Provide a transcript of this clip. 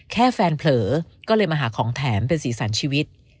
แค่แฟนเผลอก็เลยมาหาของแถมเป็นสีสันชีวิต